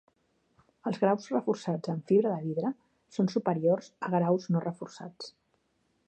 Els graus reforçats amb fibra de vidre són superiors a graus no reforçats.